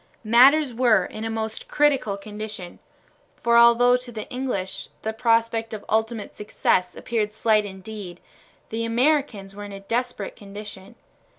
Matters were in a most critical condition, for although to the English the prospect of ultimate success appeared slight indeed, the Americans were in a desperate condition.